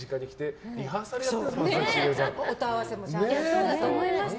そうだと思いました。